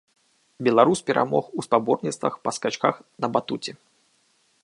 Беларус перамог у спаборніцтвах па скачках на батуце.